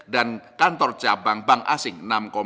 dan kantor cabang bank asing enam lima puluh delapan